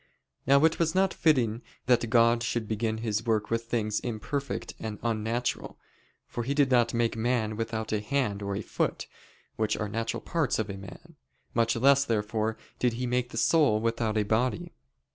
Now it was not fitting that God should begin His work with things imperfect and unnatural, for He did not make man without a hand or a foot, which are natural parts of a man. Much less, therefore, did He make the soul without a body.